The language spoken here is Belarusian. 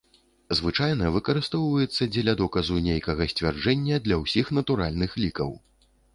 Звычайна выкарыстоўваецца, дзеля доказу нейкага сцвярджэння для ўсіх натуральных лікаў.